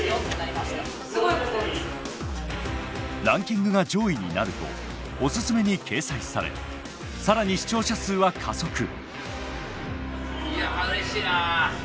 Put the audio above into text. ランキングが上位になるとおすすめに掲載され更に視聴者数は加速。